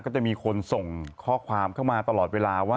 ก็จะมีคนส่งข้อความเข้ามาตลอดเวลาว่า